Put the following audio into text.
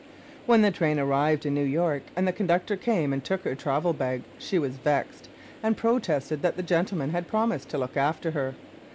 When the train arrived in New York, and the conductor came and took her traveling bag, she was vexed, and protested that the gentleman had promised to look after her.